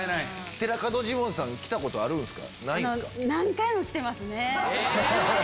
寺門ジモンさん来たことあるんすか？